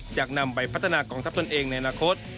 อยากนำไปพัฒนากองทัพตนเองในอนาคต